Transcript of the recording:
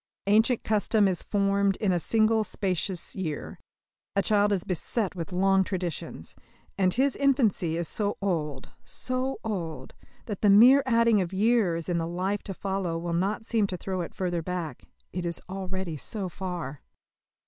Ancient custom is formed in a single spacious year. A child is beset with long traditions. And his infancy is so old, so old, that the mere adding of years in the life to follow will not seem to throw it further back it is already so far.